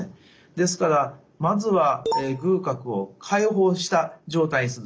ですからまずは隅角を開放した状態にする。